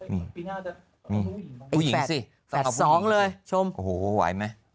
ปีหน้าจะเอาผู้หญิงบ้างต้องเอาผู้หญิงสิโอ้โหไหวไหม